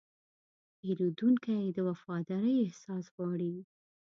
پیرودونکی د وفادارۍ احساس غواړي.